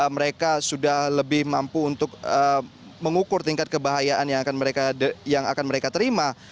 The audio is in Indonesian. mereka sudah lebih mampu untuk mengukur tingkat kebahayaan yang akan mereka terima